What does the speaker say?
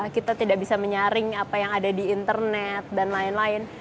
kita tidak bisa menyaring apa yang ada di internet dan lain lain